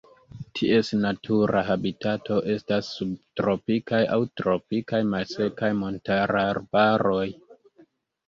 Ties natura habitato estas subtropikaj aŭ tropikaj malsekaj montararbaroj.